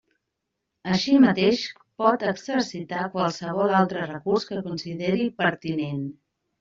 Així mateix pot exercitar qualsevol altre recurs que consideri pertinent.